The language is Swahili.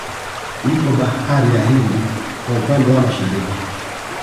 Ipo bahari ya Hindi kwa upande wa Mashariki